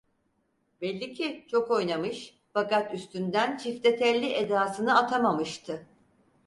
Belli ki çok oynamış, fakat üstünden çiftetelli edasını atamamıştı.